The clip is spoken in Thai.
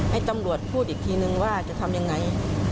ให้ตำรวจพูดอีกทีนึงว่าจะทำยังไง